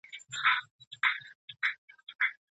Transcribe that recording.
بخارۍ بې لرګیو نه بلېږي.